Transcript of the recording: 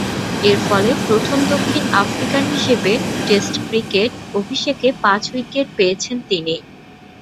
এরফলে প্রথম দক্ষিণ আফ্রিকান হিসেবে টেস্ট ক্রিকেট অভিষেকে পাঁচ-উইকেট পেয়েছেন তিনি।